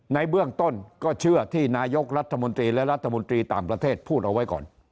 ในเบื้องต้นก็เชื่อที่นายกรัฐมนตรีและรัฐมนตรีต่างประเทศพูดเอาไว้ก่อน